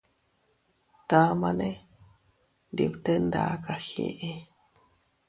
Tamane ndi bte nda kagii.